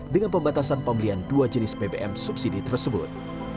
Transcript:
dengan pembatasan pembelian dua jenis bbm subsidi tersebut